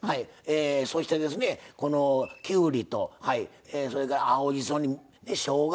そしてこのきゅうりとそれから青じそにしょうが。